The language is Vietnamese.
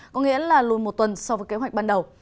có nghĩa là luôn một tuần so với kế hoạch ban đầu